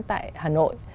tại hà nội